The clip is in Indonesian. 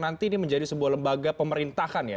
nanti ini menjadi sebuah lembaga pemerintahan ya